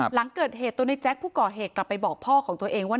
หลังเกิดเหตุตัวในแจ๊คผู้ก่อเหตุกลับไปบอกพ่อของตัวเองว่า